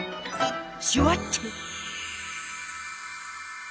シュワッチ！